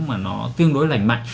mà nó tương đối lành mạnh